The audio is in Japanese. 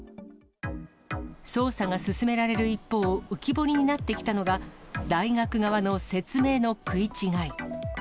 捜査が進められる一方、浮き彫りになってきたのが、大学側の説明の食い違い。